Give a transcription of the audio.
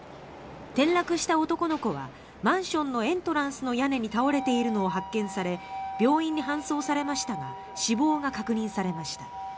転落した男の子はマンションのエントランスの屋根に倒れているのを発見され病院に搬送されましたが死亡が確認されました。